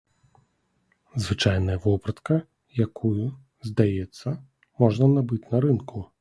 Звычайная вопратка, якую, здаецца, можна набыць на рынку.